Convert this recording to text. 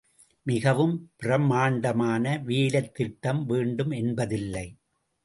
மிகவும் பிரம்மாண்டமான வேலைத் திட்டம் வேண்டும் என்பதில்லை.